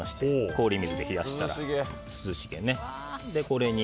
氷水で冷やしたら涼しげに。